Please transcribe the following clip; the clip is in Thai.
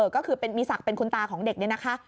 ก็คือมีศักดิ์เป็นคุณตาของเด็กนี่นะคะ